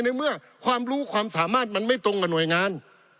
ในเมื่อความรู้ความสามารถมันไม่ตรงกับหน่วยงาน